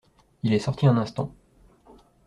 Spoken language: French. Il est sorti un instant.